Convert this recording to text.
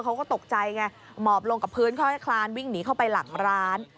เขาก็ตกใจไงหมอบลงกับพื้นค่อยคลานวิ่งหนีเข้าไปหลังร้าน